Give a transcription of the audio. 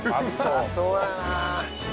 うまそうだな。